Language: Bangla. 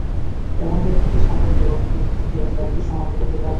এমন হয়ে থাকলে সাধারণ রক্ত পরীক্ষা থেকেই আপনি ডায়াবেটিস শনাক্ত করতে পারবেন।